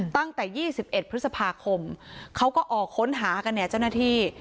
ตั้งแต่๒๑พฤษภาคมเขาก็ออกค้นหากันเนี่ยเจ้าหน้าที่